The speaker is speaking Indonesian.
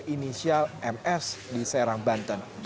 inisial ms di serang banten